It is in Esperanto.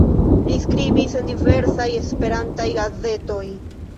Li skribis en diversaj Esperantaj gazetoj.